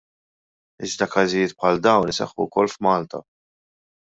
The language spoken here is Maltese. Iżda każijiet bħal dawn iseħħu wkoll f'Malta!